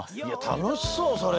たのしそうそれ！